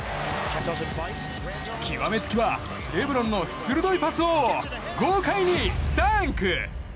極めつきはレブロンの鋭いパスから、豪快にダンク！